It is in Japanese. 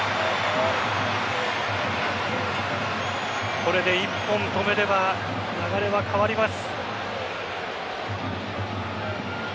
これで１本止めれば流れは変わります。